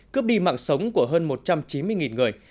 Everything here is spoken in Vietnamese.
cướp đi mạng sống của hơn một trăm chín mươi người